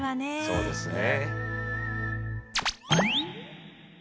そうですね。